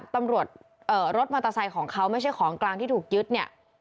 ตำรวจรถมอเตอร์ไซค์ของเขาไม่ใช่ของกลางที่ถูกยึดเนี่ย